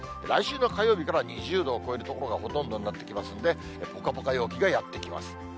来週の火曜日からは２０度を超える所がほとんどになってきますんで、ぽかぽか陽気がやって来ます。